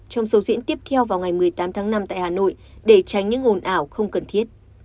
trong số diễn tiếp theo vào ngày một mươi tám tháng năm tại hà nội để tránh những ồn ào không cần thiết